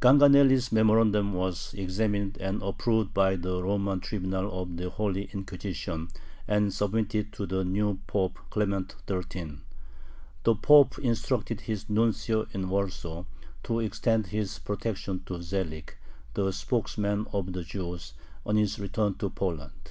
Ganganelli's memorandum was examined and approved by the Roman tribunal of the "Holy Inquisition," and submitted to the new Pope Clement XIII. The Pope instructed his nuncio in Warsaw to extend his protection to Zelig, the spokesman of the Jews, on his return to Poland.